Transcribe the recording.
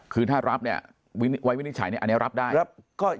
คือถ้ารับเนี่ยไว้วินิจฉัยเนี่ยอันนี้รับได้